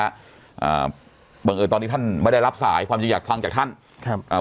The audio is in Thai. อ่าบังเอิญตอนนี้ท่านไม่ได้รับสายความจริงอยากฟังจากท่านครับอ่า